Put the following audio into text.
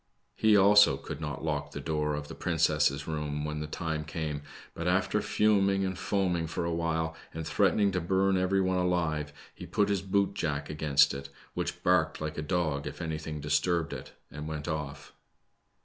He, also, could not lock the door of the princess' room when the time came, but after fuming and foaming for awhile, and threatening to burn every one alive, he put his boot jack against it, which barked like a dog if anything disturbed it, and went off.